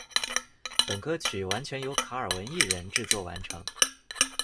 本歌曲完全由卡尔文一人制作完成。